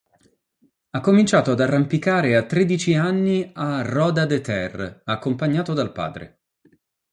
Ha cominciato ad arrampicare a tredici anni a Roda de Ter, accompagnato dal padre.